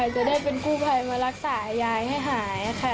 จะได้เป็นกู้ภัยมารักษายายให้หายค่ะ